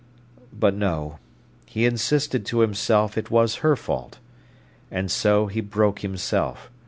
But no; he insisted to himself it was her fault. And so he broke himself.